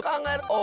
お。